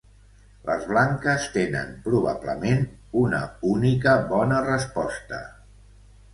Les blanques tenen probablement una única bona resposta.